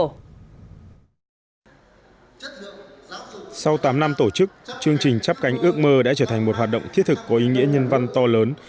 sau tám năm tổ chức chương trình chấp cánh ước mơ đã trở thành một hoạt động thiết thực có ý nghĩa nhân văn to lớn